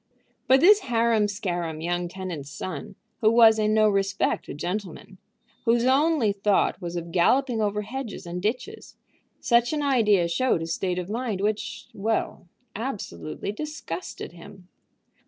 But this harum scarum young tenant's son, who was in no respect a gentleman, whose only thought was of galloping over hedges and ditches, such an idea showed a state of mind which well, absolutely disgusted him.